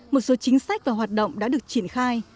một số chính sách và hoạt động đã được triển khai